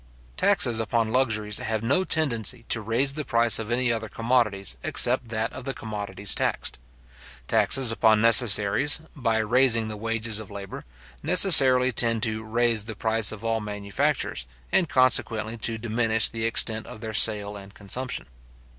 Taxes upon luxuries have no tendency to raise the price of any other commodities, except that of the commodities taxed. Taxes upon necessaries, by raising the wages of labour, necessarily tend to raise the price of all manufactures, and consequently to diminish the extent of their sale and consumption.